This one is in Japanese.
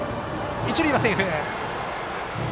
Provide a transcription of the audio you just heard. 一塁はセーフ。